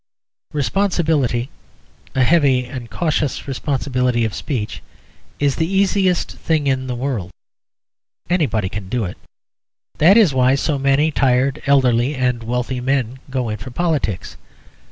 Responsibility, a heavy and cautious responsibility of speech, is the easiest thing in the world; anybody can do it. That is why so many tired, elderly, and wealthy men go in for politics.